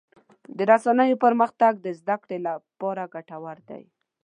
د رسنیو پرمختګ د زدهکړې لپاره ګټور دی.